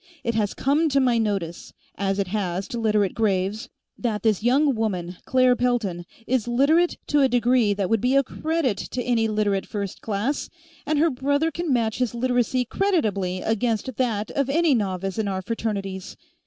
It has come to my notice, as it has to Literate Graves', that this young woman, Claire Pelton, is Literate to a degree that would be a credit to any Literate First Class, and her brother can match his Literacy creditably against that of any novice in our Fraternities.